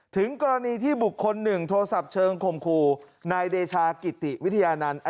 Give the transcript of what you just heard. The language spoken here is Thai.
ถึงกรณีที่บุคคลหนึ่งโทรศัพท์เชิงข่มขู่นายเดชากิติวิทยานันต์